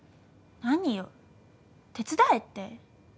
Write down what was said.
何よ手伝えって？